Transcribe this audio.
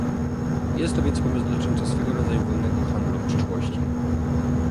Jest to więc pomysł dotyczący swego rodzaju wolnego handlu w przyszłości